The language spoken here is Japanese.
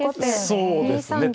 そうですね。